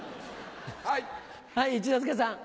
はい一之輔さん。